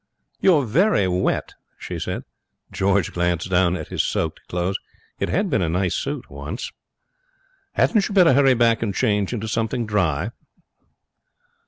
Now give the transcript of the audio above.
'You're very wet,' she said. George glanced down at his soaked clothes. It had been a nice suit once. 'Hadn't you better hurry back and change into something dry?'